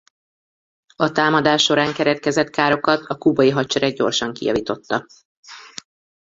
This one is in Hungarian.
A támadás során keletkezett károkat a kubai hadsereg gyorsan kijavította.